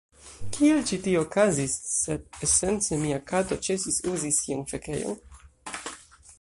kial ĉi tio okazis, sed esence mia kato ĉesis uzi sian fekejon